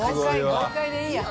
豪快でいいや。